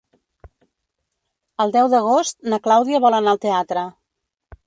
El deu d'agost na Clàudia vol anar al teatre.